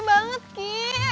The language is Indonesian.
rum capek banget ki